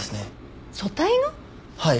はい。